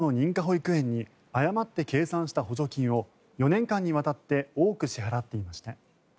区は私立の認可保育園に誤って計算した補助金を４年間にわたって多く支払っていました。